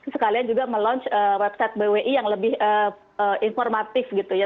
sekalian juga meluncur website bwi yang lebih informatif gitu ya